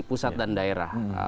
pusat dan daerah